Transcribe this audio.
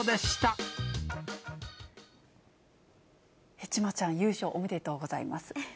ヘチマちゃん、優勝おめでとうございます。